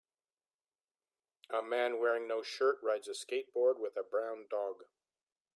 A man wearing no shirt rides a skateboard with a brown dog